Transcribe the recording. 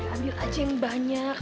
ambil aja yang banyak